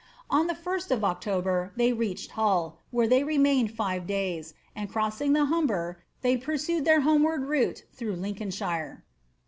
On the 1st of October ther reached Hull, where they remained &ve days, and, crossing the Humber, they pursued their homeward route through Lincolnshire.